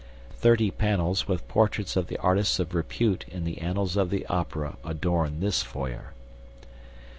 Thirty panels with portraits of the artists of repute in the annals of the Opera adorn this foyer.